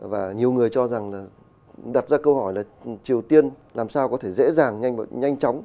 và nhiều người cho rằng là đặt ra câu hỏi là triều tiên làm sao có thể dễ dàng nhanh và nhanh chóng